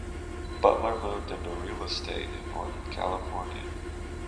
Butler moved into real estate in northern California.